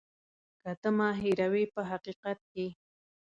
که ته ما هېروې په حقیقت کې.